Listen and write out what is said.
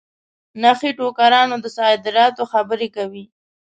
نخې ټوکرانو د صادراتو خبري کوي.